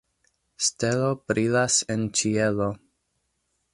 Stelo brilas en ĉielo.